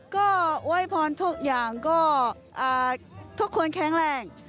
ก็อวยพรทุกอย่างก็ทุกคนแข็งแรง